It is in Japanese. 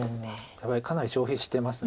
お互いかなり消費してます